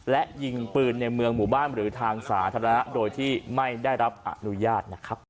และยิงปืนในเมืองหมู่บ้านหรือทางสาธารณะโดยที่ไม่ได้รับอนุญาตนะครับ